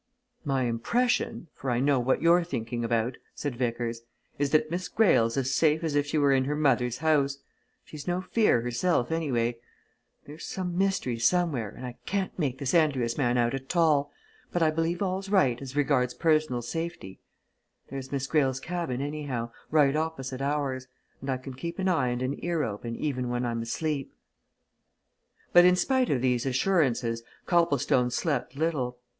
"My impression for I know what you're thinking about," said Vickers, "is that Miss Greyle's as safe as if she were in her mother's house! She's no fear, herself, anyway. There's some mystery, somewhere, and I can't make this Andrius man out at all, but I believe all's right as regards personal safety. There's Miss Greyle's cabin, anyhow, right opposite ours and I can keep an eye and an ear open even when I'm asleep!" But in spite of these assurances, Copplestone slept little.